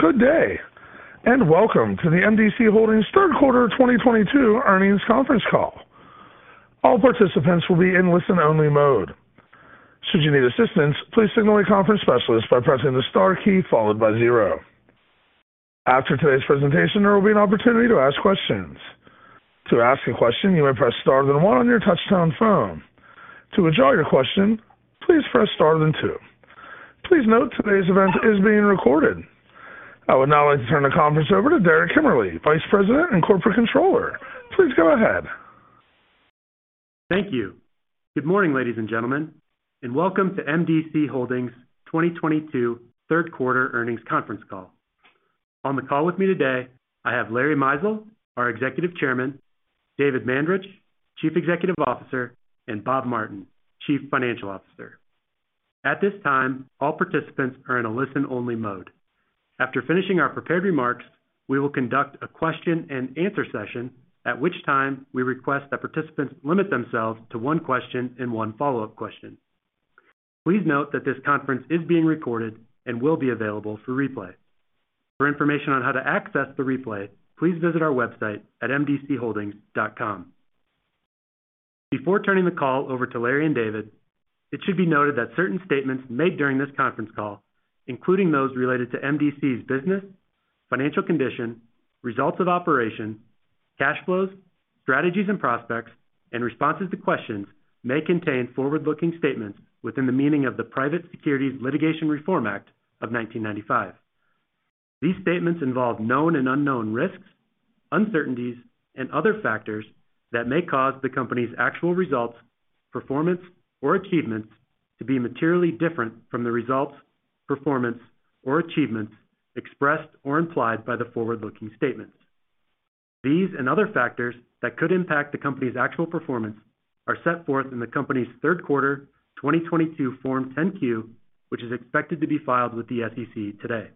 Good day, and welcome to the M.D.C. Holdings third quarter 2022 earnings conference call. All participants will be in listen-only mode. Should you need assistance, please signal a conference specialist by pressing the star key followed by zero. After today's presentation, there will be an opportunity to ask questions. To ask a question, you may press star then one on your touchtone phone. To withdraw your question, please press star then two. Please note today's event is being recorded. I would now like to turn the conference over to Derek Kimmerle, Vice President and Corporate Controller. Please go ahead. Thank you. Good morning, ladies and gentlemen, and welcome to M.D.C. Holdings 2022 third quarter earnings conference call. On the call with me today, I have Larry Mizel, our Executive Chairman, David Mandarich, Chief Executive Officer, and Bob Martin, Chief Financial Officer. At this time, all participants are in a listen-only mode. After finishing our prepared remarks, we will conduct a question and answer session at which time we request that participants limit themselves to one question and one follow-up question. Please note that this conference is being recorded and will be available for replay. For information on how to access the replay, please visit our website at mdcholdings.com. Before turning the call over to Larry and David, it should be noted that certain statements made during this conference call, including those related to MDC's business, financial condition, results of operation, cash flows, strategies and prospects, and responses to questions, may contain forward-looking statements within the meaning of the Private Securities Litigation Reform Act of 1995. These statements involve known and unknown risks, uncertainties, and other factors that may cause the company's actual results, performance or achievements to be materially different from the results, performance or achievements expressed or implied by the forward-looking statements. These and other factors that could impact the company's actual performance are set forth in the company's third quarter 2022 Form 10-Q, which is expected to be filed with the SEC today.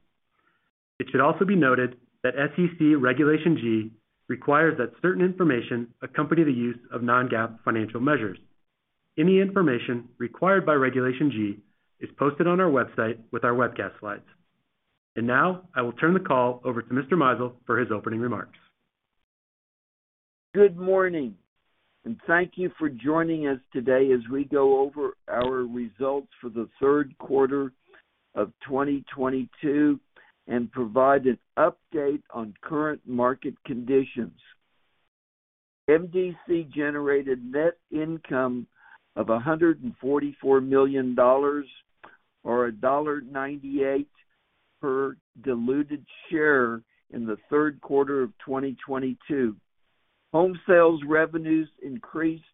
It should also be noted that SEC Regulation G requires that certain information accompany the use of non-GAAP financial measures. Any information required by Regulation G is posted on our website with our webcast slides. Now I will turn the call over to Mr. Mizel for his opening remarks. Good morning, and thank you for joining us today as we go over our results for the third quarter of 2022 and provide an update on current market conditions. MDC generated net income of $144 million or $1.98 per diluted share in the third quarter of 2022. Home sales revenues increased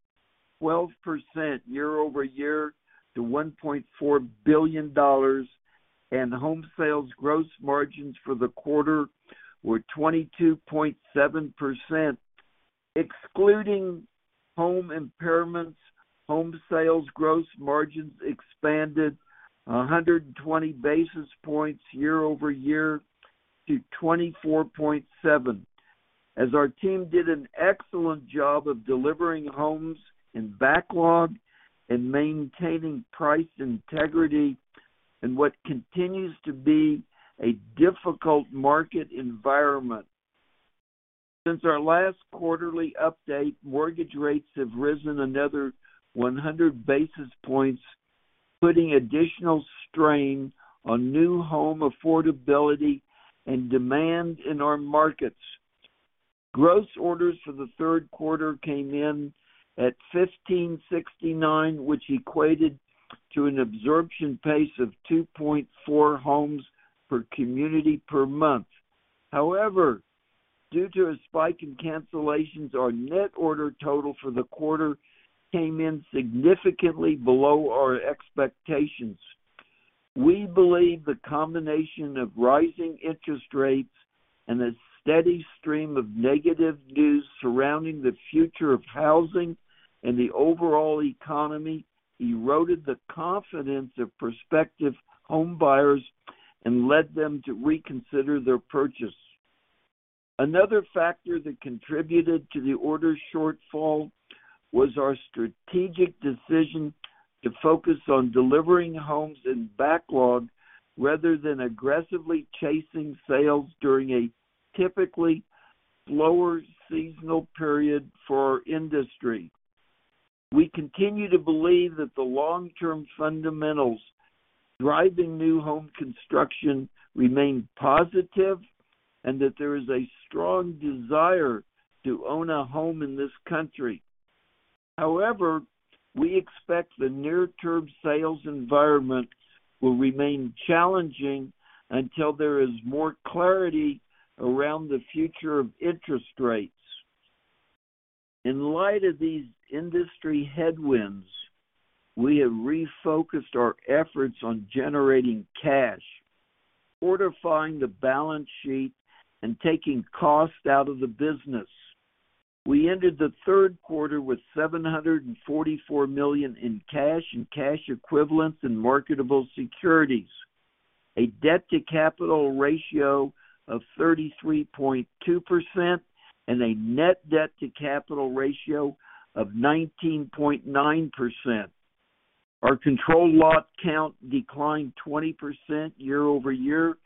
12% year-over-year to $1.4 billion, and home sales gross margins for the quarter were 22.7%. Excluding home impairments, home sales gross margins expanded 120 basis points year-over-year to 24.7%. Our team did an excellent job of delivering homes and backlog and maintaining price integrity in what continues to be a difficult market environment. Since our last quarterly update, mortgage rates have risen another 100 basis points, putting additional strain on new home affordability and demand in our markets. Gross orders for the third quarter came in at 1,569, which equated to an absorption pace of 2.4 homes per community per month. However, due to a spike in cancellations, our net order total for the quarter came in significantly below our expectations. We believe the combination of rising interest rates and a steady stream of negative news surrounding the future of housing and the overall economy eroded the confidence of prospective homebuyers and led them to reconsider their purchase. Another factor that contributed to the order shortfall was our strategic decision to focus on delivering homes and backlog rather than aggressively chasing sales during a typically lower seasonal period for our industry. We continue to believe that the long-term fundamentals driving new home construction remain positive and that there is a strong desire to own a home in this country. However, we expect the near-term sales environment will remain challenging until there is more clarity around the future of interest rates. In light of these industry headwinds, we have refocused our efforts on generating cash, fortifying the balance sheet, and taking cost out of the business. We ended the third quarter with $744 million in cash and cash equivalents in marketable securities, a debt-to-capital ratio of 33.2% and a net debt-to-capital ratio of 19.9%. Our controlled lot count declined 20% year-over-year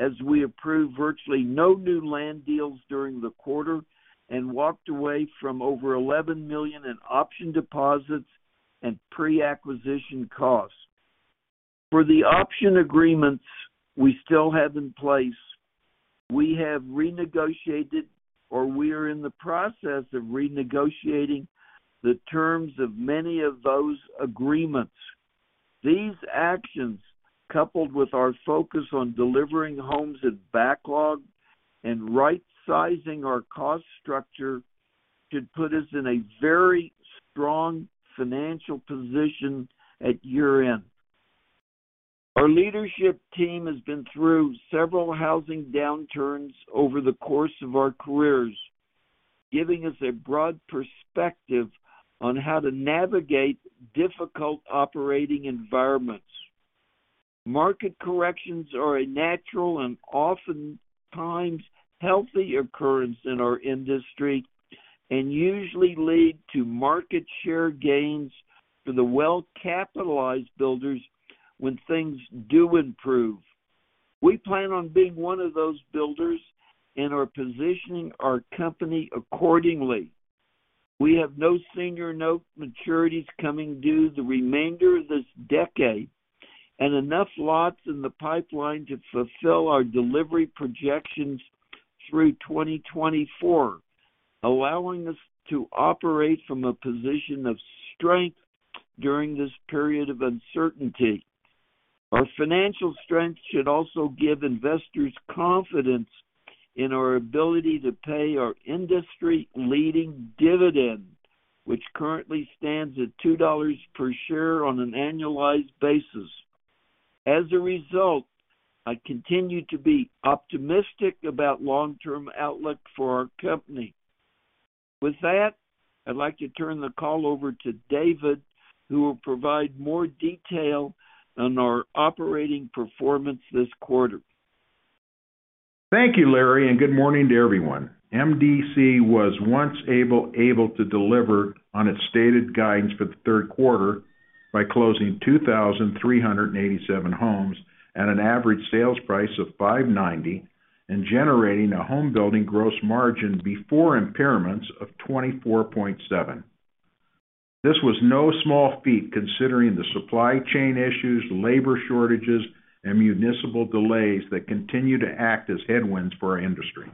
as we approved virtually no new land deals during the quarter and walked away from over $11 million in option deposits and pre-acquisition costs. For the option agreements we still have in place, we have renegotiated or we are in the process of renegotiating the terms of many of those agreements. These actions, coupled with our focus on delivering homes at backlog and right-sizing our cost structure, should put us in a very strong financial position at year-end. Our leadership team has been through several housing downturns over the course of our careers, giving us a broad perspective on how to navigate difficult operating environments. Market corrections are a natural and oftentimes healthy occurrence in our industry and usually lead to market share gains for the well-capitalized builders when things do improve. We plan on being one of those builders and are positioning our company accordingly. We have no senior note maturities coming due the remainder of this decade and enough lots in the pipeline to fulfill our delivery projections through 2024, allowing us to operate from a position of strength during this period of uncertainty. Our financial strength should also give investors confidence in our ability to pay our industry-leading dividend, which currently stands at $2 per share on an annualized basis. As a result, I continue to be optimistic about long-term outlook for our company. With that, I'd like to turn the call over to David, who will provide more detail on our operating performance this quarter. Thank you, Larry, and good morning to everyone. MDC was able to deliver on its stated guidance for the third quarter by closing 2,387 homes at an average sales price of $590 and generating a home building gross margin before impairments of 24.7%. This was no small feat considering the supply chain issues, labor shortages, and municipal delays that continue to act as headwinds for our industry.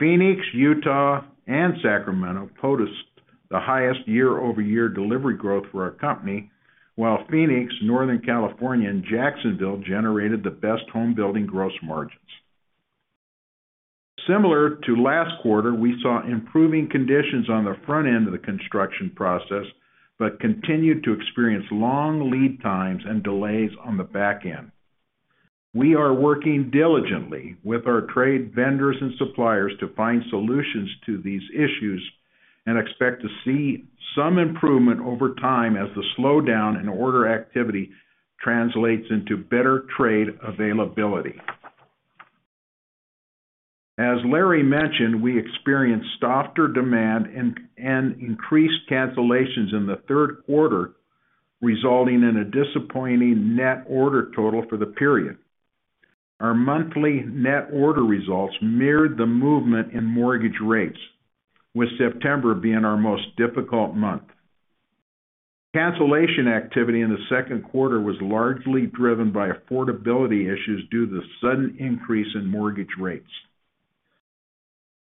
Phoenix, Utah, and Sacramento produced the highest year-over-year delivery growth for our company, while Phoenix, Northern California, and Jacksonville generated the best home building gross margins. Similar to last quarter, we saw improving conditions on the front end of the construction process, but continued to experience long lead times and delays on the back end. We are working diligently with our trade vendors and suppliers to find solutions to these issues and expect to see some improvement over time as the slowdown in order activity translates into better trade availability. As Larry mentioned, we experienced softer demand and increased cancellations in the third quarter, resulting in a disappointing net order total for the period. Our monthly net order results mirrored the movement in mortgage rates, with September being our most difficult month. Cancellation activity in the second quarter was largely driven by affordability issues due to the sudden increase in mortgage rates.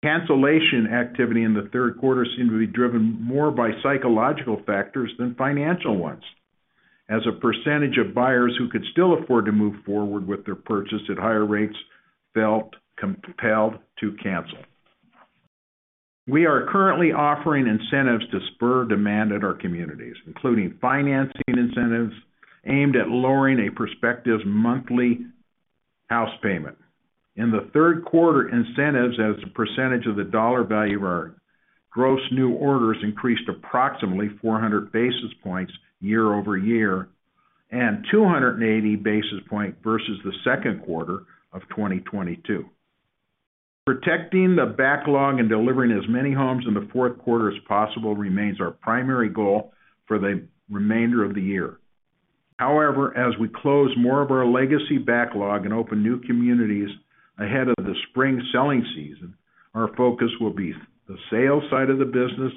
Cancellation activity in the third quarter seemed to be driven more by psychological factors than financial ones as a percentage of buyers who could still afford to move forward with their purchase at higher rates felt compelled to cancel. We are currently offering incentives to spur demand at our communities, including financing incentives aimed at lowering a prospective's monthly house payment. In the third quarter, incentives as a percentage of the dollar value of our gross new orders increased approximately 400 basis points year over year and 280 basis points versus the second quarter of 2022. Protecting the backlog and delivering as many homes in the fourth quarter as possible remains our primary goal for the remainder of the year. However, as we close more of our legacy backlog and open new communities ahead of the spring selling season, our focus will be the sales side of the business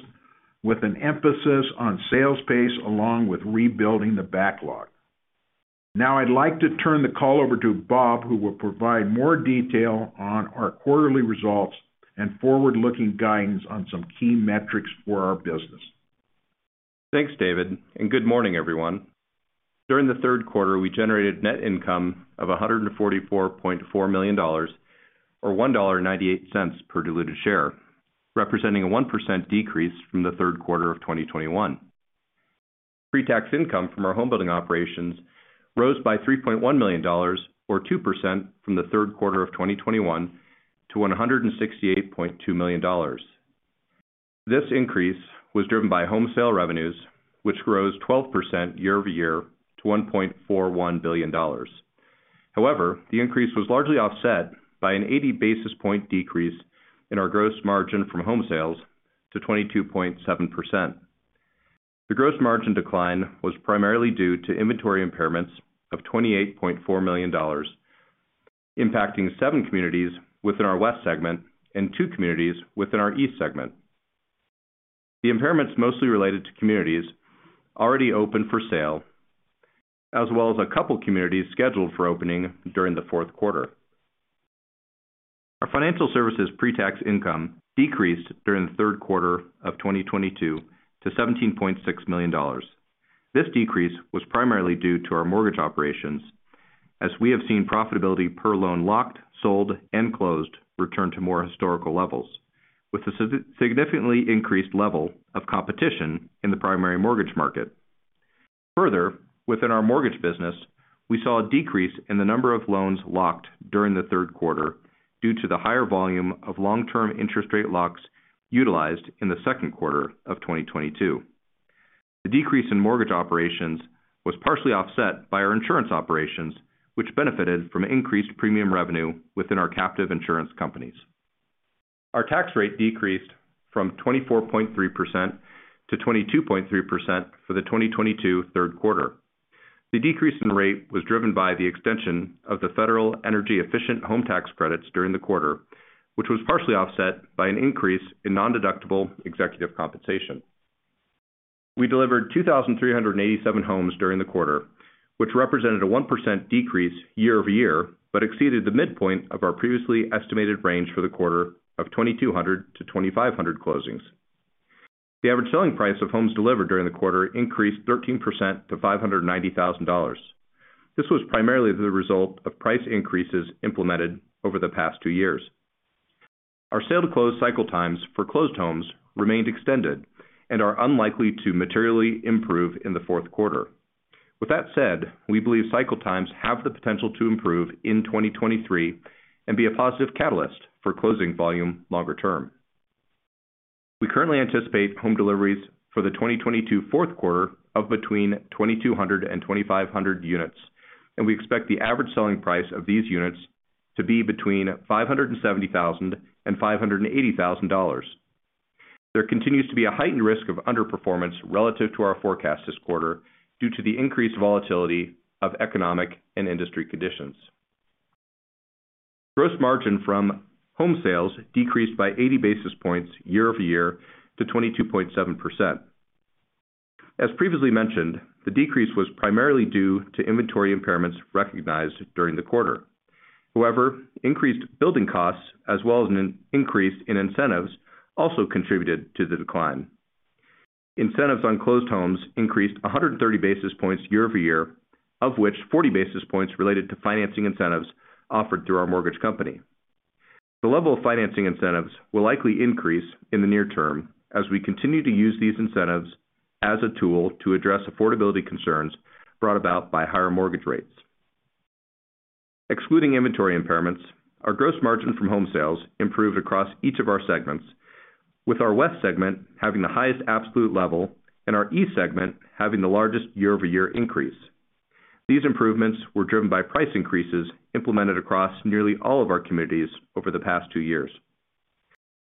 with an emphasis on sales pace along with rebuilding the backlog. Now, I'd like to turn the call over to Bob, who will provide more detail on our quarterly results and forward-looking guidance on some key metrics for our business. Thanks, David, and good morning, everyone. During the third quarter, we generated net income of $144.4 million or $1.98 per diluted share, representing a 1% decrease from the third quarter of 2021. Pre-tax income from our home building operations rose by $3.1 million or 2% from the third quarter of 2021 to $168.2 million. This increase was driven by home sale revenues, which rose 12% year-over-year to $1.41 billion. However, the increase was largely offset by an 80 basis point decrease in our gross margin from home sales to 22.7%. The gross margin decline was primarily due to inventory impairments of $28.4 million, impacting seven communities within our West segment and two communities within our East segment. The impairments mostly related to communities already open for sale, as well as a couple of communities scheduled for opening during the fourth quarter. Our financial services pre-tax income decreased during the third quarter of 2022 to $17.6 million. This decrease was primarily due to our mortgage operations as we have seen profitability per loan locked, sold and closed return to more historical levels with a significantly increased level of competition in the primary mortgage market. Further, within our mortgage business, we saw a decrease in the number of loans locked during the third quarter due to the higher volume of long-term interest rate locks utilized in the second quarter of 2022. The decrease in mortgage operations was partially offset by our insurance operations, which benefited from increased premium revenue within our captive insurance companies. Our tax rate decreased from 24.3%-22.3% for the 2022 third quarter. The decrease in rate was driven by the extension of the federal energy efficient home tax credits during the quarter, which was partially offset by an increase in nondeductible executive compensation. We delivered 2,387 homes during the quarter, which represented a 1% decrease year over year, but exceeded the midpoint of our previously estimated range for the quarter of 2,200-2,500 closings. The average selling price of homes delivered during the quarter increased 13% to $590,000. This was primarily the result of price increases implemented over the past two years. Our sale to close cycle times for closed homes remained extended and are unlikely to materially improve in the fourth quarter. With that said, we believe cycle times have the potential to improve in 2023 and be a positive catalyst for closing volume longer term. We currently anticipate home deliveries for the 2022 fourth quarter of between 2,200 and 2,500 units, and we expect the average selling price of these units to be between $570,000 and $580,000. There continues to be a heightened risk of underperformance relative to our forecast this quarter due to the increased volatility of economic and industry conditions. Gross margin from home sales decreased by 80 basis points year-over-year to 22.7%. As previously mentioned, the decrease was primarily due to inventory impairments recognized during the quarter. However, increased building costs as well as an increase in incentives also contributed to the decline. Incentives on closed homes increased 130 basis points year-over-year, of which 40 basis points related to financing incentives offered through our mortgage company. The level of financing incentives will likely increase in the near term as we continue to use these incentives as a tool to address affordability concerns brought about by higher mortgage rates. Excluding inventory impairments, our gross margin from home sales improved across each of our segments, with our West segment having the highest absolute level and our East segment having the largest year-over-year increase. These improvements were driven by price increases implemented across nearly all of our communities over the past two years.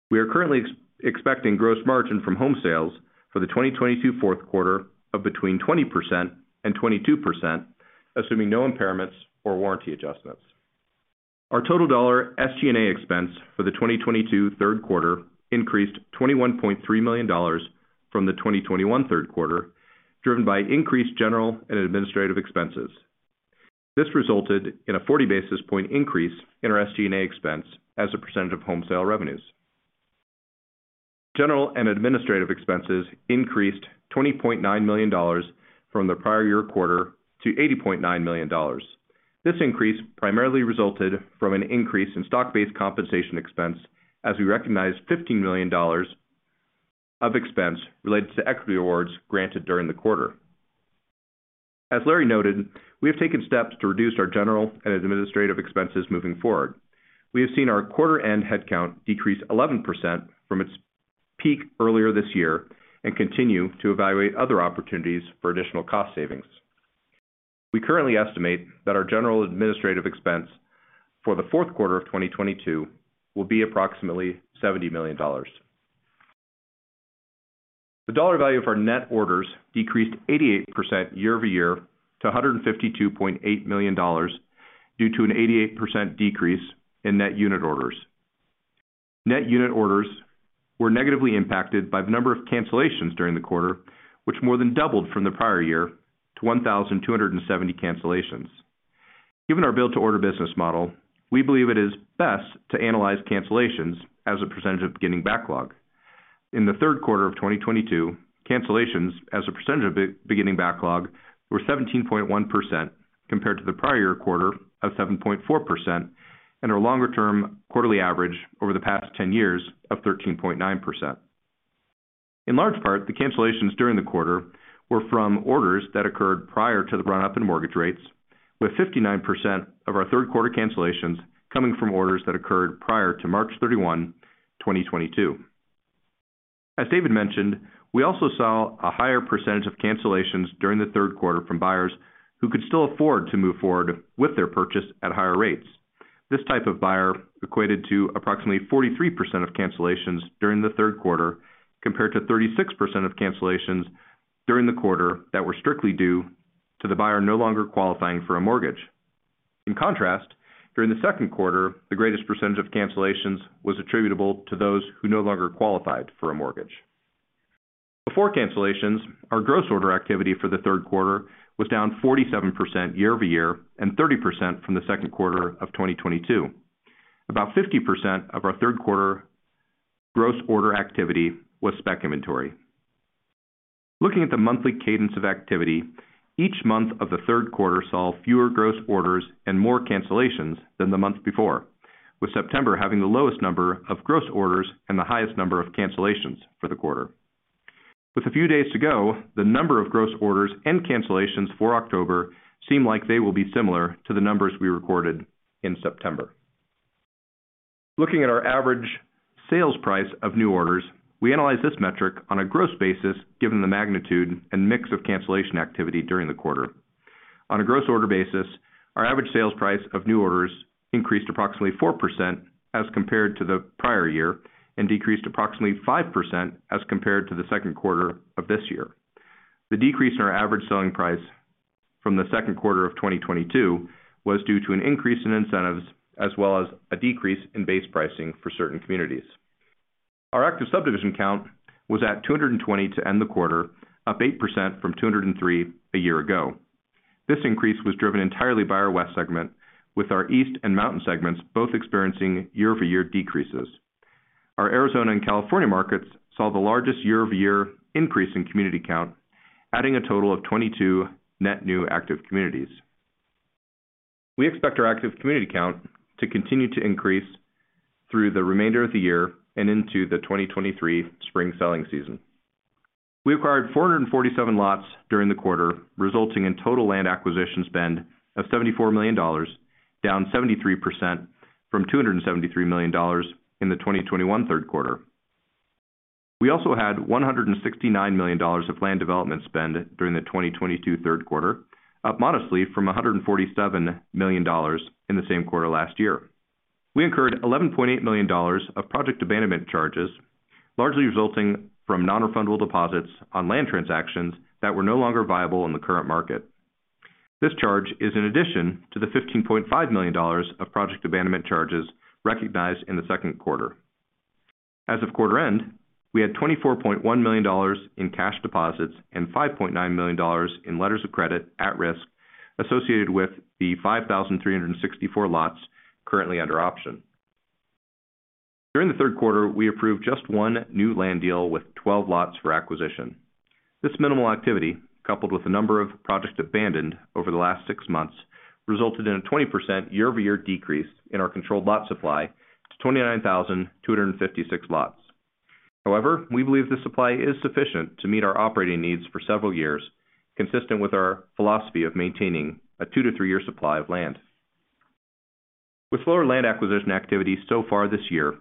We are currently expecting gross margin from home sales for the 2022 fourth quarter of between 20% and 22%, assuming no impairments or warranty adjustments. Our total dollar SG&A expense for the 2022 third quarter increased $21.3 million from the 2021 third quarter, driven by increased general and administrative expenses. This resulted in a 40 basis points increase in our SG&A expense as a percent of home sale revenues. General and administrative expenses increased $20.9 million from the prior year quarter to $80.9 million. This increase primarily resulted from an increase in stock-based compensation expense as we recognized $15 million of expense related to equity awards granted during the quarter. As Larry noted, we have taken steps to reduce our general and administrative expenses moving forward. We have seen our quarter end headcount decrease 11% from its peak earlier this year and continue to evaluate other opportunities for additional cost savings. We currently estimate that our general administrative expense for the fourth quarter of 2022 will be approximately $70 million. The dollar value of our net orders decreased 88% year-over-year to $152.8 million due to an 88% decrease in net unit orders. Net unit orders were negatively impacted by the number of cancellations during the quarter, which more than doubled from the prior year to 1,270 cancellations. Given our build to order business model, we believe it is best to analyze cancellations as a percentage of beginning backlog. In the third quarter of 2022, cancellations as a percentage of beginning backlog were 17.1% compared to the prior year quarter of 7.4% and our longer term quarterly average over the past 10 years of 13.9%. In large part, the cancellations during the quarter were from orders that occurred prior to the run-up in mortgage rates, with 59% of our third quarter cancellations coming from orders that occurred prior to March 31, 2022. As David mentioned, we also saw a higher percentage of cancellations during the third quarter from buyers who could still afford to move forward with their purchase at higher rates. This type of buyer equated to approximately 43% of cancellations during the third quarter, compared to 36% of cancellations during the quarter that were strictly due to the buyer no longer qualifying for a mortgage. In contrast, during the second quarter, the greatest percentage of cancellations was attributable to those who no longer qualified for a mortgage. Before cancellations, our gross order activity for the third quarter was down 47% year-over-year and 30% from the second quarter of 2022. About 50% of our third quarter gross order activity was spec inventory. Looking at the monthly cadence of activity, each month of the third quarter saw fewer gross orders and more cancellations than the month before, with September having the lowest number of gross orders and the highest number of cancellations for the quarter. With a few days to go, the number of gross orders and cancellations for October seem like they will be similar to the numbers we recorded in September. Looking at our average sales price of new orders, we analyzed this metric on a gross basis given the magnitude and mix of cancellation activity during the quarter. On a gross order basis, our average sales price of new orders increased approximately 4% as compared to the prior year and decreased approximately 5% as compared to the second quarter of this year. The decrease in our average selling price from the second quarter of 2022 was due to an increase in incentives as well as a decrease in base pricing for certain communities. Our active subdivision count was at 220 to end the quarter, up 8% from 203 a year ago. This increase was driven entirely by our West segment, with our East and Mountain segments both experiencing year-over-year decreases. Our Arizona and California markets saw the largest year-over-year increase in community count, adding a total of 22 net new active communities. We expect our active community count to continue to increase through the remainder of the year and into the 2023 spring selling season. We acquired 447 lots during the quarter, resulting in total land acquisition spend of $74 million, down 73% from $273 million in the 2021 third quarter. We also had $169 million of land development spend during the 2022 third quarter, up modestly from $147 million in the same quarter last year. We incurred $11.8 million of project abandonment charges, largely resulting from non-refundable deposits on land transactions that were no longer viable in the current market. This charge is in addition to the $15.5 million of project abandonment charges recognized in the second quarter. As of quarter end, we had $24.1 million in cash deposits and $5.9 million in letters of credit at risk associated with the 5,364 lots currently under option. During the third quarter, we approved just one new land deal with 12 lots for acquisition. This minimal activity, coupled with the number of projects abandoned over the last six months, resulted in a 20% year-over-year decrease in our controlled lot supply to 29,256 lots. However, we believe this supply is sufficient to meet our operating needs for several years, consistent with our philosophy of maintaining a two to three-year supply of land. With slower land acquisition activity so far this year,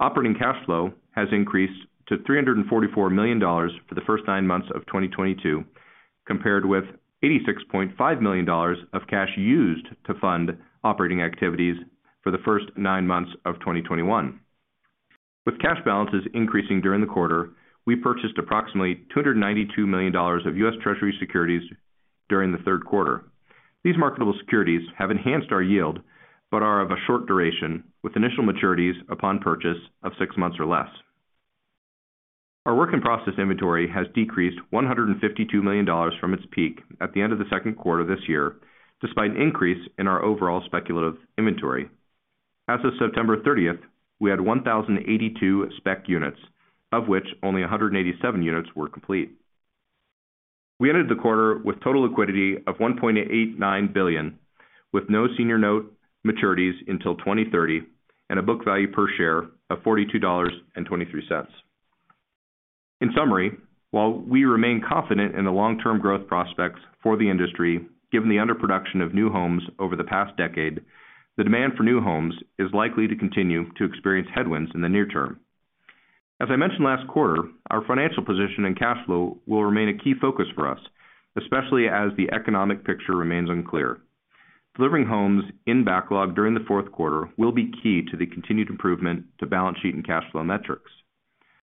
operating cash flow has increased to $344 million for the first nine months of 2022, compared with $86.5 million of cash used to fund operating activities for the first nine months of 2021. With cash balances increasing during the quarter, we purchased approximately $292 million of U.S. Treasury securities during the third quarter. These marketable securities have enhanced our yield, but are of a short duration, with initial maturities upon purchase of six months or less. Our work in process inventory has decreased $152 million from its peak at the end of the second quarter this year, despite an increase in our overall speculative inventory. As of September 30, we had 1,082 spec units, of which only 187 units were complete. We ended the quarter with total liquidity of $1.89 billion, with no senior note maturities until 2030 and a book value per share of $42.23. In summary, while we remain confident in the long-term growth prospects for the industry, given the underproduction of new homes over the past decade, the demand for new homes is likely to continue to experience headwinds in the near term. As I mentioned last quarter, our financial position and cash flow will remain a key focus for us, especially as the economic picture remains unclear. Delivering homes in backlog during the fourth quarter will be key to the continued improvement to balance sheet and cash flow metrics.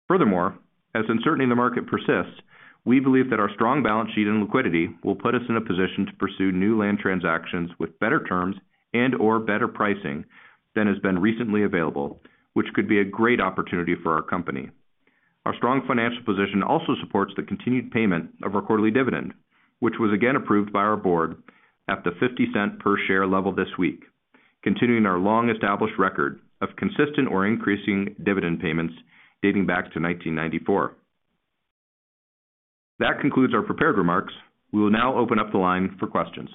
Furthermore, as uncertainty in the market persists, we believe that our strong balance sheet and liquidity will put us in a position to pursue new land transactions with better terms and/or better pricing than has been recently available, which could be a great opportunity for our company. Our strong financial position also supports the continued payment of our quarterly dividend, which was again approved by our board at the $0.50 per share level this week, continuing our long-established record of consistent or increasing dividend payments dating back to 1994. That concludes our prepared remarks. We will now open up the line for questions.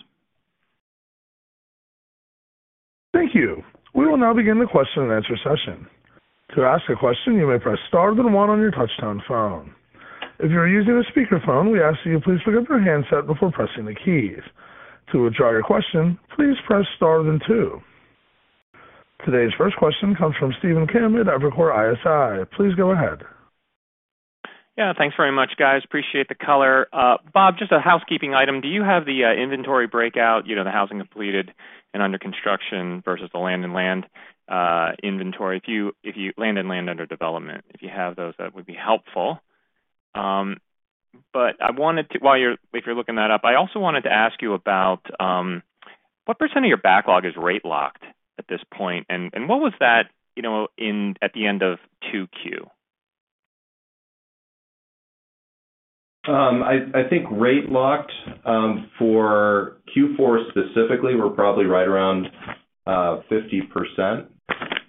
Thank you. We will now begin the question and answer session. To ask a question, you may press star then one on your touchtone phone. If you are using a speaker phone, we ask that you please pick up your handset before pressing the keys. To withdraw your question, please press star then two. Today's first question comes from Stephen Kim at Evercore ISI. Please go ahead. Yeah, thanks very much, guys. Appreciate the color. Bob, just a housekeeping item. Do you have the inventory breakout, you know, the housing completed and under construction versus the land and land under development? If you have those, that would be helpful. But I wanted to. While you're looking that up, I also wanted to ask you about what percentage of your backlog is rate locked at this point? And what was that, you know, at the end of 2Q? I think rate locked for Q4 specifically, we're probably right around 50%.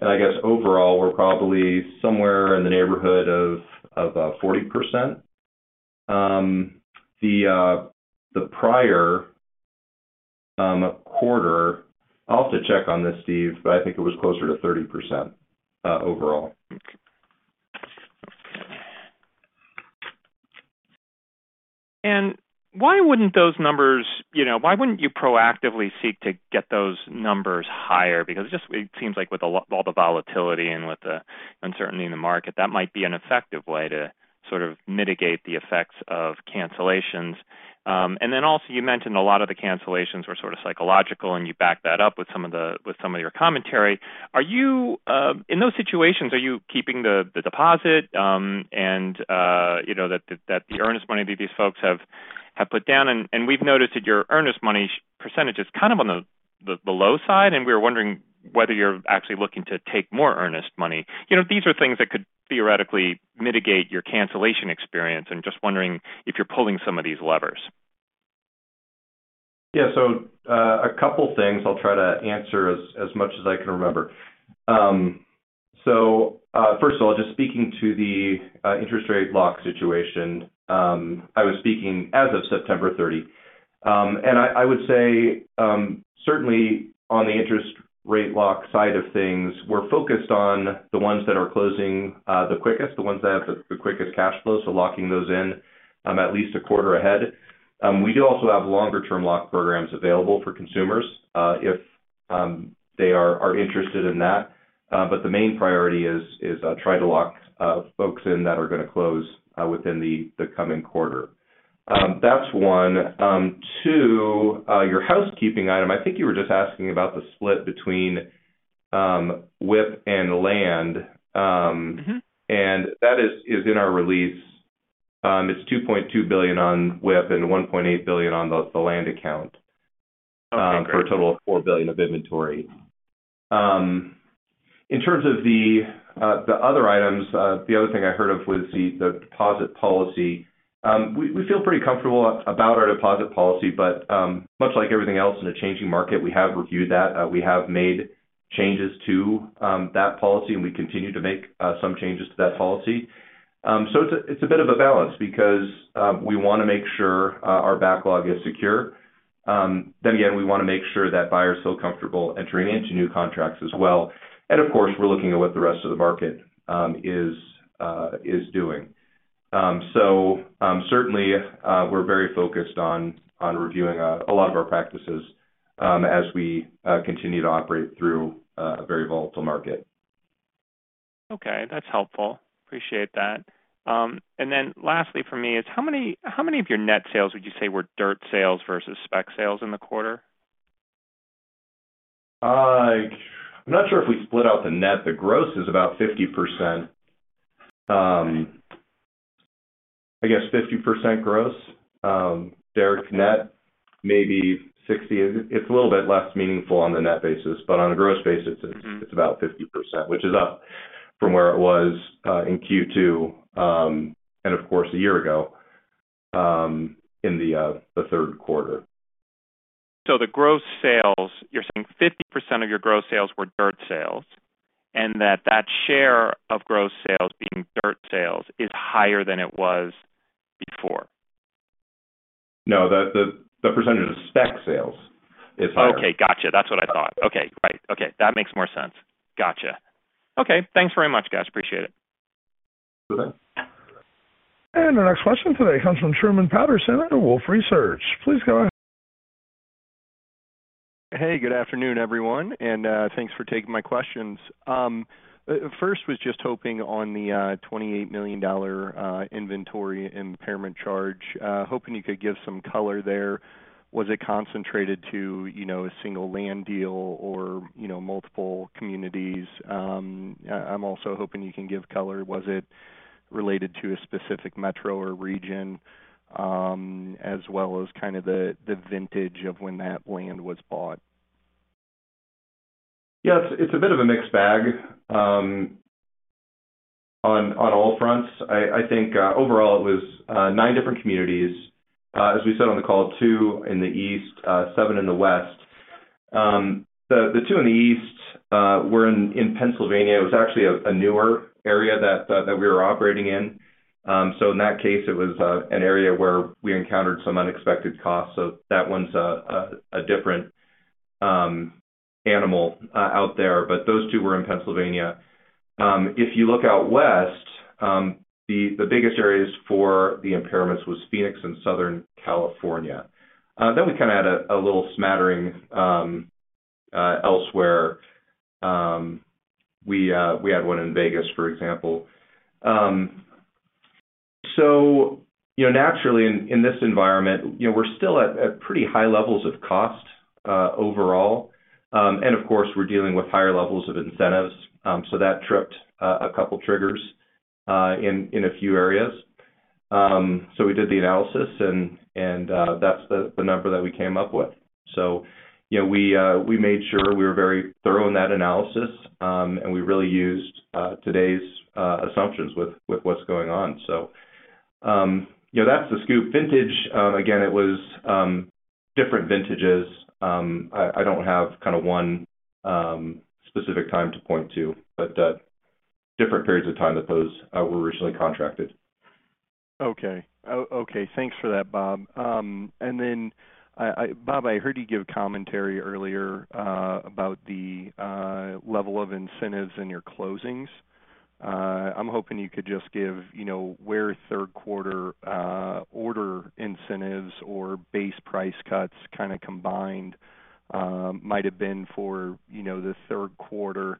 I guess overall, we're probably somewhere in the neighborhood of 40%. The prior quarter, I'll have to check on this, Steve, but I think it was closer to 30% overall. Why wouldn't those numbers, you know, why wouldn't you proactively seek to get those numbers higher? Because it just, it seems like with all the volatility and with the uncertainty in the market, that might be an effective way to sort of mitigate the effects of cancellations. Then also you mentioned a lot of the cancellations were sort of psychological, and you backed that up with some of the, with some of your commentary. Are you, in those situations, keeping the deposit, and you know, the earnest money these folks have put down? We've noticed that your earnest money percentage is kind of on the low side, and we're wondering whether you're actually looking to take more earnest money. You know, these are things that could theoretically mitigate your cancellation experience. I'm just wondering if you're pulling some of these levers. Yeah. A couple things. I'll try to answer as much as I can remember. First of all, just speaking to the interest rate lock situation, I was speaking as of September 30. I would say certainly on the interest rate lock side of things, we're focused on the ones that are closing the quickest, the ones that have the quickest cash flow, so locking those in at least a quarter ahead. We do also have longer term lock programs available for consumers if they are interested in that. The main priority is try to lock folks in that are gonna close within the coming quarter. That's one. Two, your housekeeping item. I think you were just asking about the split between WIP and land. Mm-hmm. That is in our release. It's $2.2 billion on WIP and $1.8 billion on the land account. Okay, great. For a total of $4 billion of inventory. In terms of the other items, the other thing I heard of was the deposit policy. We feel pretty comfortable about our deposit policy, but much like everything else in a changing market, we have reviewed that. We have made changes to that policy, and we continue to make some changes to that policy. It's a bit of a balance because we wanna make sure our backlog is secure. Then again, we wanna make sure that buyers feel comfortable entering into new contracts as well. Of course, we're looking at what the rest of the market is doing. Certainly, we're very focused on reviewing a lot of our practices as we continue to operate through a very volatile market. Okay. That's helpful. Appreciate that. Lastly for me is how many of your net sales would you say were dirt sales versus spec sales in the quarter? I'm not sure if we split out the net. The gross is about 50%. I guess 50% gross. Dirt net, maybe 60%. It's a little bit less meaningful on the net basis, but on a gross basis. Mm-hmm. It's about 50%, which is up from where it was in Q2, and of course, a year ago in the third quarter. The gross sales, you're saying 50% of your gross sales were dirt sales, and that share of gross sales being dirt sales is higher than it was before. No, the percentage of spec sales is higher. Okay. Gotcha. That's what I thought. Okay. Right. Okay. That makes more sense. Gotcha. Okay. Thanks very much, guys. Appreciate it. Our next question today comes from Truman Patterson at Wolfe Research. Please go ahead. Hey, good afternoon, everyone, and thanks for taking my questions. First, I was just hoping on the $28 million inventory impairment charge, hoping you could give some color there. Was it concentrated to, you know, a single land deal or, you know, multiple communities? I'm also hoping you can give color. Was it related to a specific metro or region, as well as kind of the vintage of when that land was bought? Yeah. It's a bit of a mixed bag on all fronts. I think overall, it was nine different communities. As we said on the call, two in the east, seven in the west. The two in the east were in Pennsylvania. It was actually a newer area that we were operating in. In that case, it was an area where we encountered some unexpected costs. That one's a different animal out there. Those two were in Pennsylvania. If you look out west, the biggest areas for the impairments was Phoenix and Southern California. We kind of had a little smattering elsewhere. We had one in Vegas, for example. You know, naturally in this environment, you know, we're still at pretty high levels of cost overall. Of course, we're dealing with higher levels of incentives. That tripped a couple triggers in a few areas. We did the analysis and that's the number that we came up with. You know, we made sure we were very thorough in that analysis, and we really used today's assumptions with what's going on. Yeah, that's the scoop. Vintage, again, it was different vintages. I don't have kind of one specific time to point to, but different periods of time that those were originally contracted. Okay. Thanks for that, Bob. Bob, I heard you give commentary earlier about the level of incentives in your closings. I'm hoping you could just give, you know, where third quarter order incentives or base price cuts kind of combined might have been for, you know, the third quarter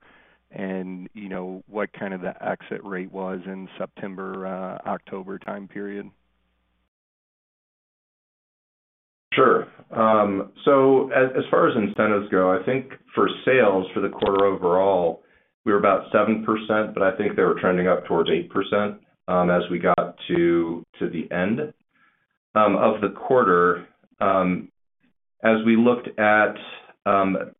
and, you know, what kind of the exit rate was in September, October time period. Sure. As far as incentives go, I think for sales for the quarter overall, we were about 7%, but I think they were trending up towards 8%, as we got to the end of the quarter. As we looked at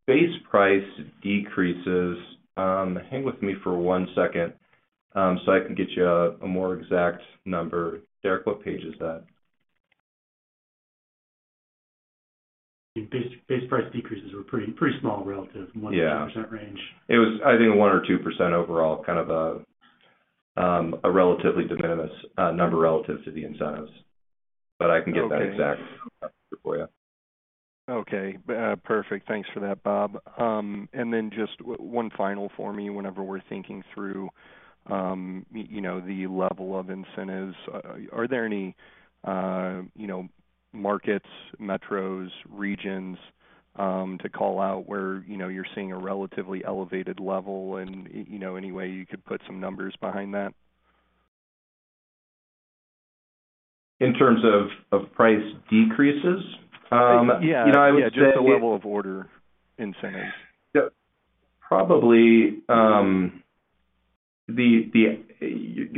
base price decreases, hang with me for one second, so I can get you a more exact number. Derek, what page is that? Base price decreases were pretty small, relatively 1%-2% range. Yeah. It was, I think, 1% or 2% overall, kind of a relatively de minimis number relative to the incentives. Okay. I can get that exactly for you. Okay. Perfect. Thanks for that, Bob. Just one final for me. Whenever we're thinking through, you know, the level of incentives, are there any, you know, markets, metros, regions to call out where, you know, you're seeing a relatively elevated level and any way you could put some numbers behind that? In terms of price decreases? You know, I would say. Yeah. Yeah, just the level of order incentives. Probably, you're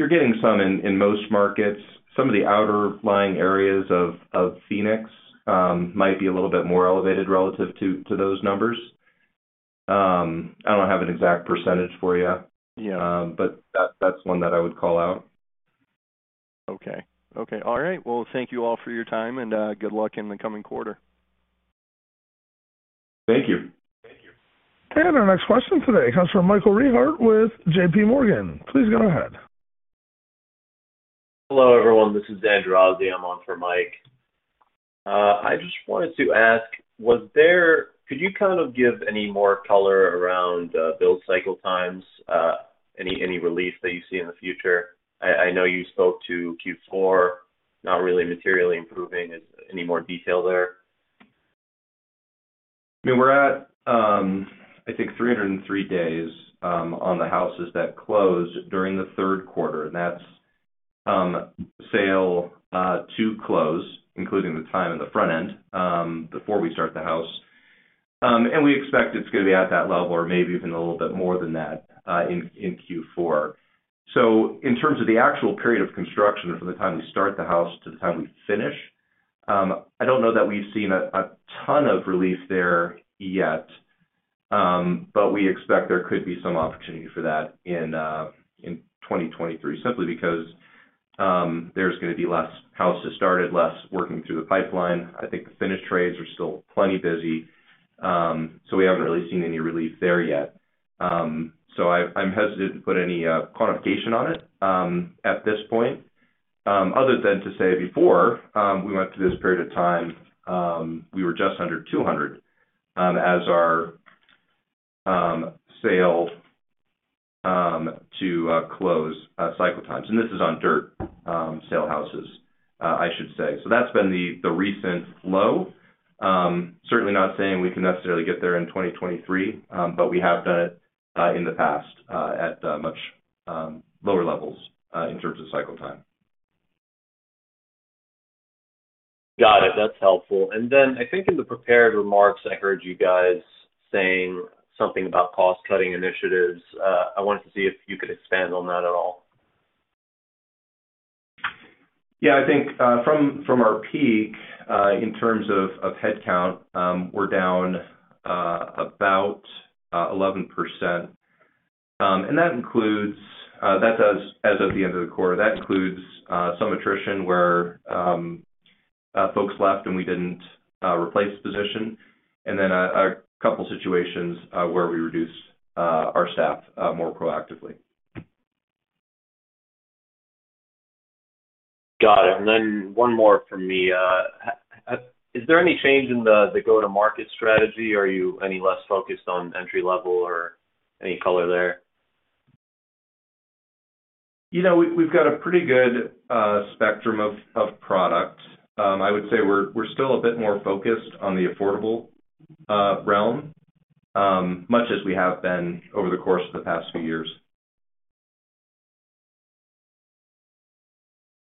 getting some in most markets. Some of the outlying areas of Phoenix might be a little bit more elevated relative to those numbers. I don't have an exact percentage for you. Yeah. That's one that I would call out. Okay. All right. Well, thank you all for your time, and good luck in the coming quarter. Thank you. Our next question today comes from Michael Rehaut with JPMorgan. Please go ahead. Hello, everyone. This is Andrew Azzi. I'm on for Mike. I just wanted to ask, could you kind of give any more color around build cycle times? Any relief that you see in the future? I know you spoke to Q4 not really materially improving. Is any more detail there? I mean, we're at, I think 303 days, on the houses that closed during the third quarter, and that's sale to close, including the time in the front end, before we start the house. We expect it's gonna be at that level or maybe even a little bit more than that, in Q4. In terms of the actual period of construction from the time we start the house to the time we finish, I don't know that we've seen a ton of relief there yet, but we expect there could be some opportunity for that in 2023, simply because there's gonna be less houses started, less working through the pipeline. I think the finish trades are still plenty busy, so we haven't really seen any relief there yet. I'm hesitant to put any quantification on it at this point, other than to say before we went through this period of time, we were just under 200 as our sale to close cycle times. This is on dirt sale houses, I should say. That's been the recent low. Certainly not saying we can necessarily get there in 2023, but we have done it in the past at much lower levels in terms of cycle time. Got it. That's helpful. I think in the prepared remarks, I heard you guys saying something about cost-cutting initiatives. I wanted to see if you could expand on that at all. Yeah. I think from our peak in terms of headcount we're down about 11%. That's as of the end of the quarter. That includes some attrition where folks left and we didn't replace the position, and then a couple situations where we reduced our staff more proactively. Got it. One more from me. Is there any change in the go-to-market strategy? Are you any less focused on entry-level or any color there? You know, we've got a pretty good spectrum of products. I would say we're still a bit more focused on the affordable realm, much as we have been over the course of the past few years.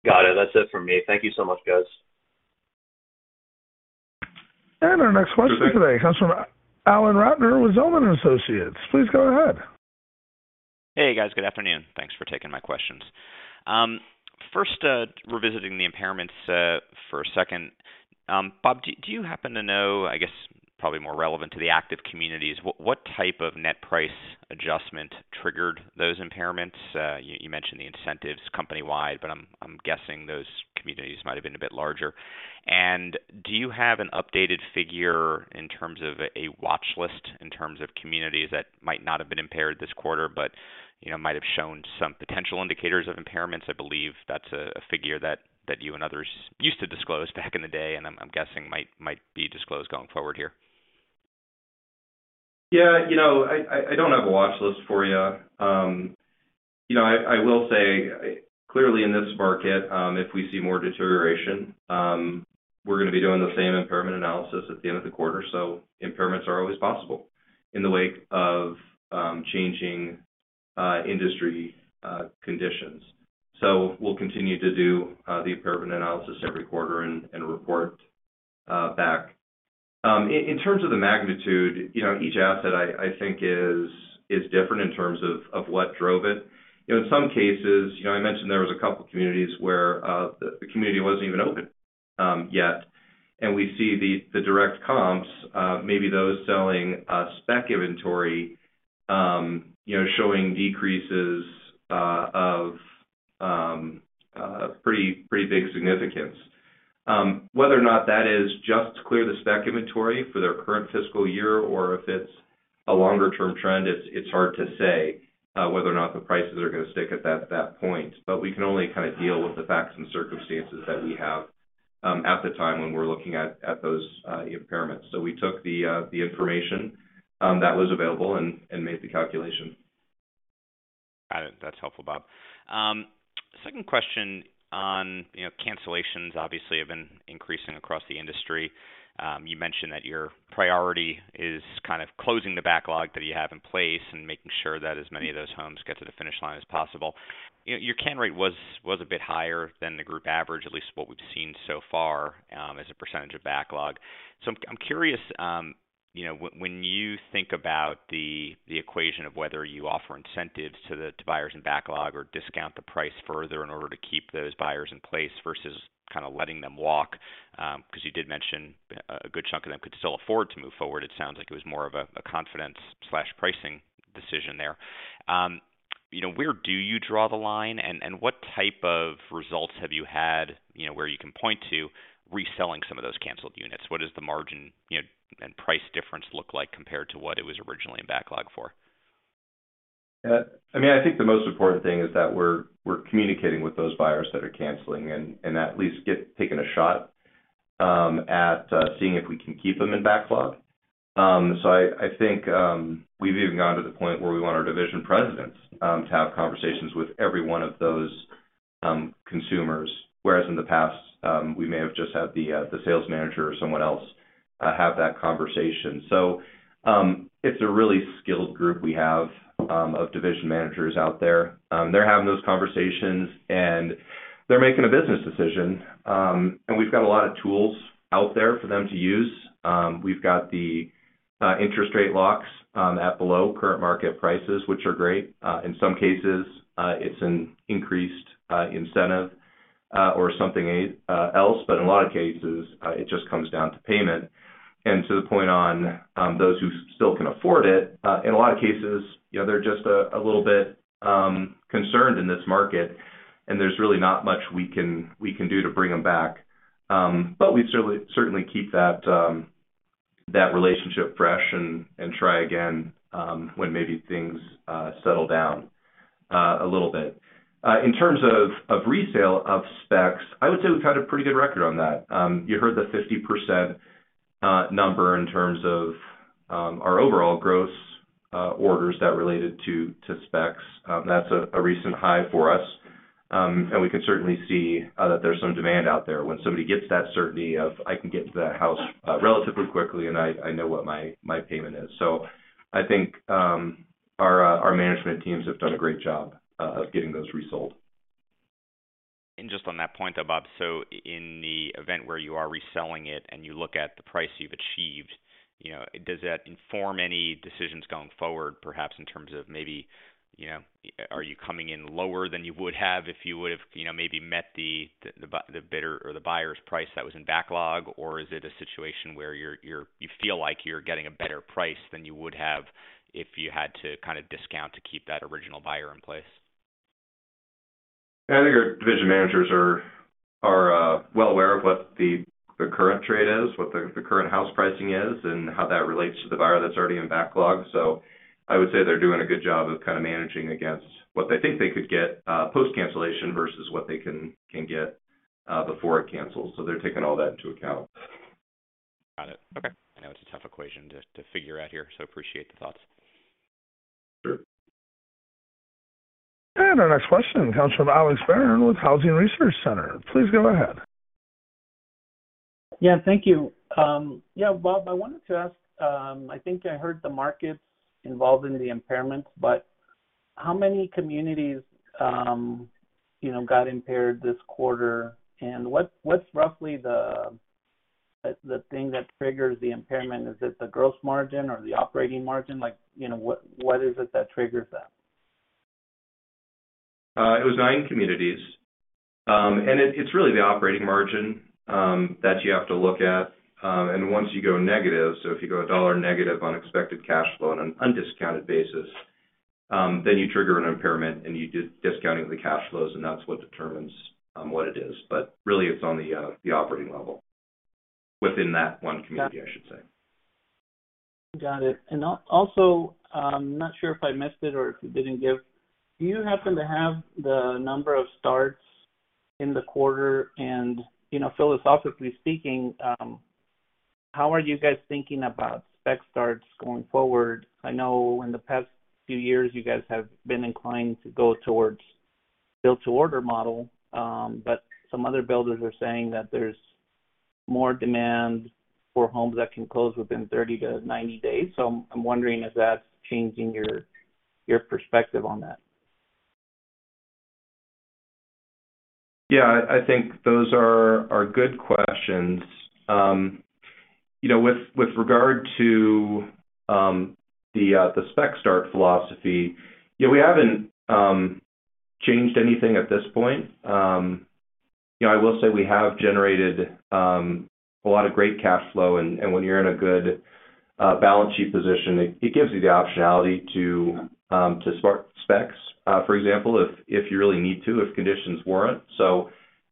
Got it. That's it from me. Thank you so much, guys. Our next question today comes from Alan Ratner with Zelman & Associates. Please go ahead. Hey, guys. Good afternoon. Thanks for taking my questions. First, revisiting the impairments for a second. Bob, do you happen to know, I guess, probably more relevant to the active communities, what type of net price adjustment triggered those impairments? You mentioned the incentives company-wide, but I'm guessing those communities might have been a bit larger. Do you have an updated figure in terms of a watchlist, in terms of communities that might not have been impaired this quarter, but you know, might have shown some potential indicators of impairments? I believe that's a figure that you and others used to disclose back in the day, and I'm guessing might be disclosed going forward here. Yeah. You know, I don't have a watchlist for you. You know, I will say clearly in this market, if we see more deterioration, we're gonna be doing the same impairment analysis at the end of the quarter. Impairments are always possible in the wake of changing industry conditions. We'll continue to do the impairment analysis every quarter and report back. In terms of the magnitude, you know, each asset I think is different in terms of what drove it. You know, in some cases, you know, I mentioned there was a couple of communities where the community wasn't even open yet, and we see the direct comps, maybe those selling spec inventory, you know, showing decreases of pretty big significance. Whether or not that is just to clear the spec inventory for their current fiscal year or if it's a longer term trend, it's hard to say whether or not the prices are gonna stick at that point. We can only kind of deal with the facts and circumstances that we have at the time when we're looking at those impairments. We took the information that was available and made the calculation. Got it. That's helpful, Bob. Second question on, you know, cancellations obviously have been increasing across the industry. You mentioned that your priority is kind of closing the backlog that you have in place and making sure that as many of those homes get to the finish line as possible. You know, your cancel rate was a bit higher than the group average, at least what we've seen so far, as a percentage of backlog. I'm curious, you know, when you think about the equation of whether you offer incentives to the buyers in backlog or discount the price further in order to keep those buyers in place versus kind of letting them walk, because you did mention a good chunk of them could still afford to move forward. It sounds like it was more of a confidence/pricing decision there. You know, where do you draw the line and what type of results have you had, you know, where you can point to reselling some of those canceled units? What is the margin, you know, and price difference look like compared to what it was originally in backlog for? Yeah. I mean, I think the most important thing is that we're communicating with those buyers that are canceling and at least take a shot at seeing if we can keep them in backlog. I think we've even gotten to the point where we want our division presidents to have conversations with every one of those consumers, whereas in the past we may have just had the sales manager or someone else have that conversation. It's a really skilled group we have of division managers out there. They're having those conversations and they're making a business decision. We've got a lot of tools out there for them to use. We've got the interest rate locks at below current market prices, which are great. In some cases, it's an increased incentive or something else, but in a lot of cases, it just comes down to payment. To the point on those who still can afford it, in a lot of cases, you know, they're just a little bit concerned in this market, and there's really not much we can do to bring them back. But we certainly keep that relationship fresh and try again when maybe things settle down a little bit. In terms of resale of specs, I would say we've had a pretty good record on that. You heard the 50% number in terms of our overall gross orders that related to specs. That's a recent high for us. We can certainly see that there's some demand out there when somebody gets that certainty of, I can get to that house, relatively quickly and I know what my payment is. I think our management teams have done a great job of getting those resold. Just on that point, though, Bob, so in the event where you are reselling it and you look at the price you've achieved, you know, does that inform any decisions going forward, perhaps in terms of maybe, you know, are you coming in lower than you would have if you would've, you know, maybe met the bidder or the buyer's price that was in backlog, or is it a situation where you're you feel like you're getting a better price than you would have if you had to kind of discount to keep that original buyer in place? I think our division managers are well aware of what the current trade is, what the current house pricing is, and how that relates to the buyer that's already in backlog. I would say they're doing a good job of kind of managing against what they think they could get post-cancellation versus what they can get before it cancels. They're taking all that into account. Got it. Okay. I know it's a tough equation to figure out here, so appreciate the thoughts. Sure. Our next question comes from Alex Barron with Housing Research Center. Please go ahead. Yeah, thank you. Yeah, Bob, I wanted to ask, I think I heard the metrics involved in the impairments, but how many communities, you know, got impaired this quarter? What, what's roughly the thing that triggers the impairment? Is it the gross margin or the operating margin? Like, you know, what is it that triggers that? It was nine communities. It's really the operating margin that you have to look at. Once you go negative, so if you go $1 negative on expected cash flow on an undiscounted basis, then you trigger an impairment, and you do discounting of the cash flows, and that's what determines what it is. Really it's on the operating level within that one community, I should say. Got it. Also, I'm not sure if I missed it or if you didn't give, do you happen to have the number of starts in the quarter? You know, philosophically speaking, how are you guys thinking about spec starts going forward? I know in the past few years you guys have been inclined to go towards build-to-order model, but some other builders are saying that there's more demand for homes that can close within 30-90 days. I'm wondering if that's changing your perspective on that. Yeah. I think those are good questions. You know, with regard to the spec start philosophy, you know, we haven't changed anything at this point. You know, I will say we have generated a lot of great cash flow and when you're in a good balance sheet position, it gives you the optionality to smart specs. For example, if you really need to, if conditions warrant.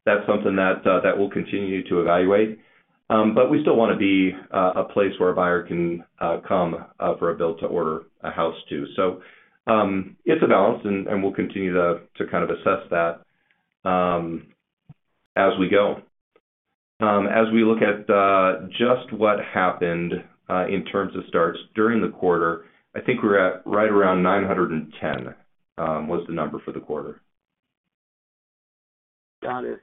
That's something that we'll continue to evaluate. But we still wanna be a place where a buyer can come for a build-to-order house too. It's a balance and we'll continue to kind of assess that as we go. As we look at just what happened in terms of starts during the quarter, I think we're at right around 910 was the number for the quarter. Got it.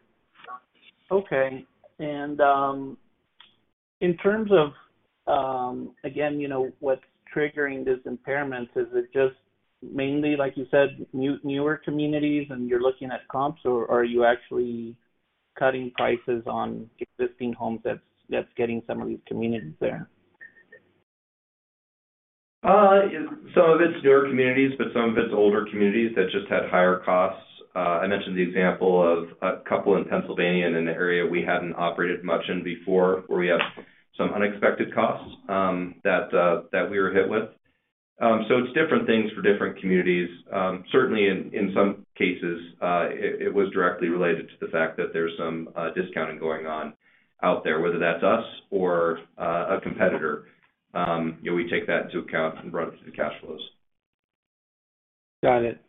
Okay. In terms of, again, you know, what's triggering this impairment, is it just mainly, like you said, newer communities and you're looking at comps, or are you actually cutting prices on existing homes that's getting some of these communities there? Some of it's newer communities, but some of it's older communities that just had higher costs. I mentioned the example of a couple in Pennsylvania and in the area we hadn't operated much in before, where we had some unexpected costs that we were hit with. It's different things for different communities. Certainly in some cases, it was directly related to the fact that there's some discounting going on out there, whether that's us or a competitor. You know, we take that into account and run it through the cash flows. Got it.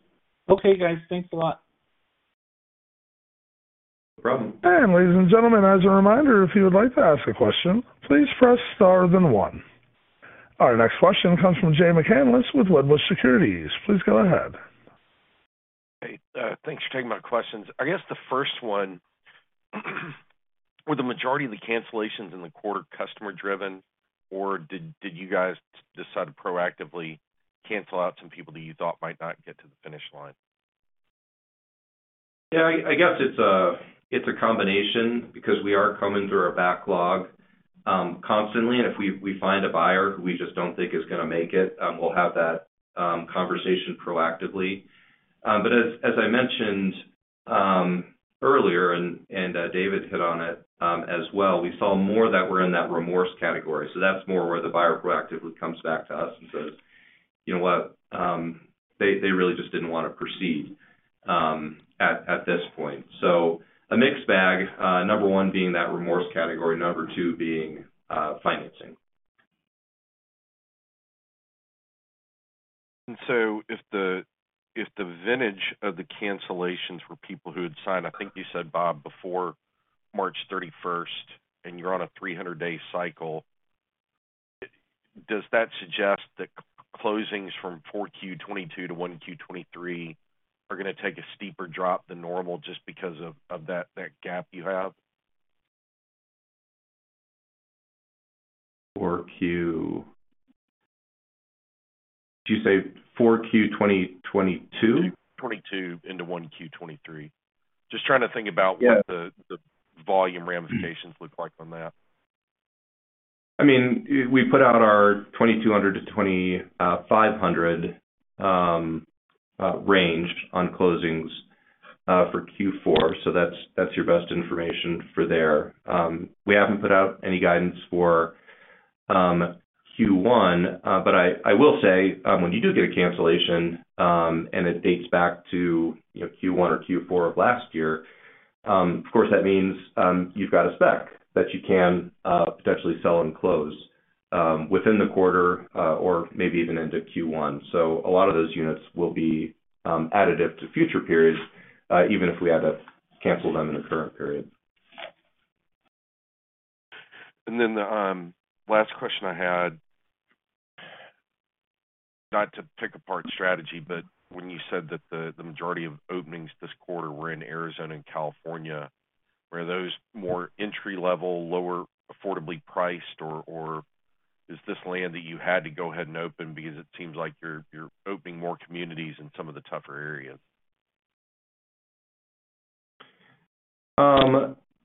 Okay, guys. Thanks a lot. No problem. Ladies and gentlemen, as a reminder, if you would like to ask a question, please press star then one. Our next question comes from Jay McCanless with Wedbush Securities. Please go ahead. Hey, thanks for taking my questions. I guess the first one, were the majority of the cancellations in the quarter customer driven or did you guys decide to proactively cancel out some people that you thought might not get to the finish line? Yeah, it's a combination because we are combing through our backlog constantly, and if we find a buyer who we just don't think is gonna make it, we'll have that conversation proactively. But as I mentioned earlier and David hit on it as well, we saw more that were in that remorse category. That's more where the buyer proactively comes back to us and says, "You know what? They really just didn't want to proceed at this point." A mixed bag. Number one being that remorse category, number two being financing. If the vintage of the cancellations were people who had signed, I think you said, Bob, before March, 31st and you're on a 300-day cycle, does that suggest that closings from 4Q 2022 to 1Q 2023 are gonna take a steeper drop than normal just because of that gap you have? Did you say 4Q 2022? 2022 into 1Q 2023. Just trying to think about. Yeah. What the volume ramifications look like on that. I mean, we put out our 2,200-2,500 range on closings for Q4. That's your best information for there. We haven't put out any guidance for Q1. But I will say, when you do get a cancellation and it dates back to, you know, Q1 or Q4 of last year, of course, that means you've got a spec that you can potentially sell and close within the quarter or maybe even into Q1. So a lot of those units will be additive to future periods even if we had to cancel them in the current period. The last question I had, not to pick apart strategy, but when you said that the majority of openings this quarter were in Arizona and California, were those more entry-level, lower affordability priced or is this land that you had to go ahead and open because it seems like you're opening more communities in some of the tougher areas?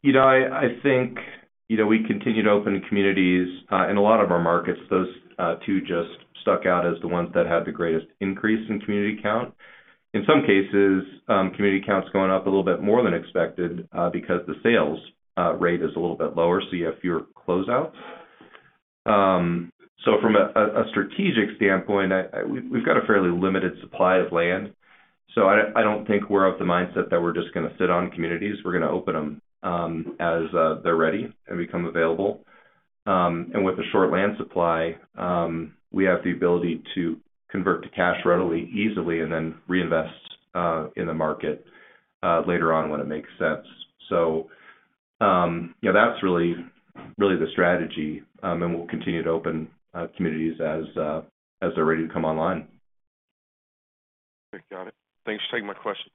You know, I think, you know, we continue to open communities in a lot of our markets. Those two just stuck out as the ones that had the greatest increase in community count. In some cases, community count's going up a little bit more than expected because the sales rate is a little bit lower, so you have fewer closeouts. From a strategic standpoint, we've got a fairly limited supply of land. I don't think we're of the mindset that we're just gonna sit on communities. We're gonna open them as they're ready and become available. With the short land supply, we have the ability to convert to cash readily, easily, and then reinvest in the market later on when it makes sense. Yeah, that's really the strategy. We'll continue to open communities as they're ready to come online. Okay. Got it. Thanks for taking my question.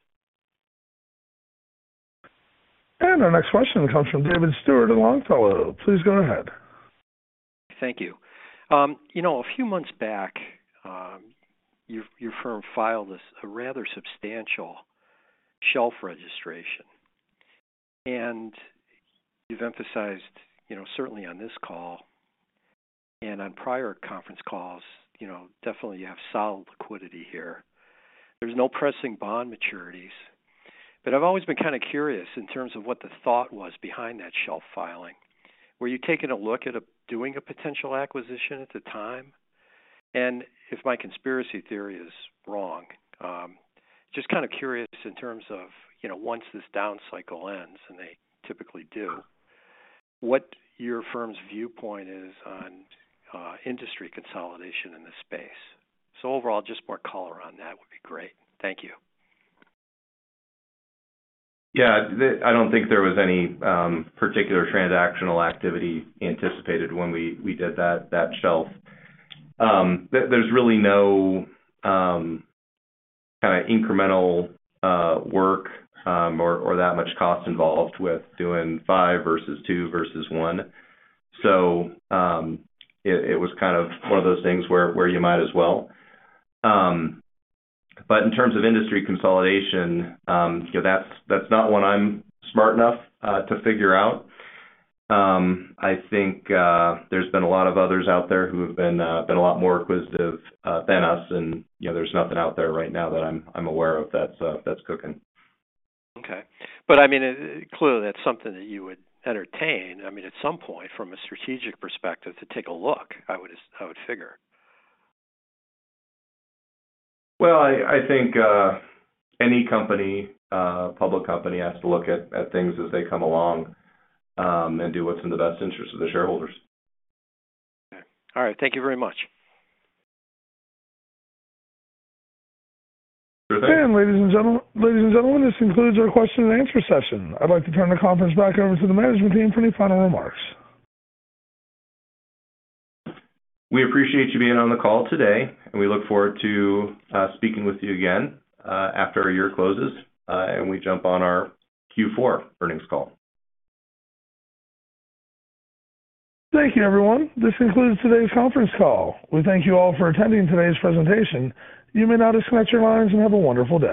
Our next question comes from David Stuehr at Longfellow. Please go ahead. Thank you. You know, a few months back, your firm filed this, a rather substantial shelf registration. You've emphasized, you know, certainly on this call and on prior conference calls, you know, definitely you have solid liquidity here. There's no pressing bond maturities. I've always been kind of curious in terms of what the thought was behind that shelf filing. Were you taking a look at doing a potential acquisition at the time? If my conspiracy theory is wrong, just kind of curious in terms of, you know, once this down cycle ends, and they typically do, what your firm's viewpoint is on, industry consolidation in this space. Overall, just more color on that would be great. Thank you. Yeah. I don't think there was any particular transactional activity anticipated when we did that shelf. There's really no kind of incremental work or that much cost involved with doing five versus two versus one. It was kind of one of those things where you might as well. In terms of industry consolidation, you know, that's not one I'm smart enough to figure out. I think there's been a lot of others out there who have been a lot more acquisitive than us, and you know, there's nothing out there right now that I'm aware of that's cooking. Okay. I mean, clearly that's something that you would entertain. I mean, at some point from a strategic perspective to take a look, I would figure. Well, I think any company, public company has to look at things as they come along and do what's in the best interest of the shareholders. Okay. All right. Thank you very much. Sure thing. Ladies and gentlemen, this concludes our question and answer session. I'd like to turn the conference back over to the management team for any final remarks. We appreciate you being on the call today, and we look forward to speaking with you again after our year closes, and we jump on our Q4 earnings call. Thank you, everyone. This concludes today's conference call. We thank you all for attending today's presentation. You may now disconnect your lines and have a wonderful day.